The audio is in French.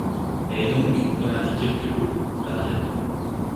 Elle est donc, comme indiqué plus haut, variable.